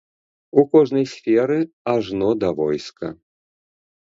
У кожнай сферы, ажно да войска.